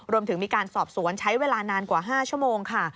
รวมถึงมีการสอบสวนใช้เวลานานกว่า๕ชั่วโมงค่ะ